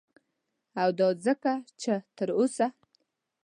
او دا ځکه چه تر اوسه